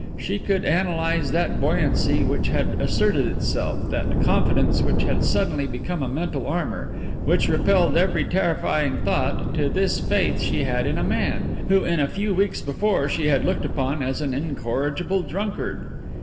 She could analyse that buoyancy which had asserted itself, that confidence which had suddenly become a mental armour, which repelled every terrifying thought, to this faith she had in a man, who in a few weeks before she had looked upon as an incorrigible drunkard.